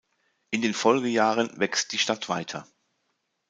In den Folgejahren wächst die Stadt weiter.